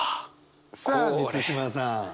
さあ満島さん。